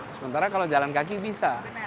sementara kalau jalan kaki bisa